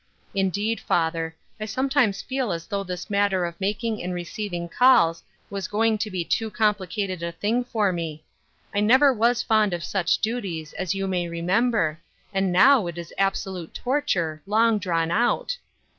Indeed, father, I sometimes feel as though this matter of making and receiving calls was going to be too complicated a thing for me. I never was fond of such duties, as you may remember, and now it is absolute torture, long drawn out."